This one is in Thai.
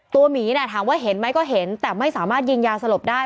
หมีถามว่าเห็นไหมก็เห็นแต่ไม่สามารถยิงยาสลบได้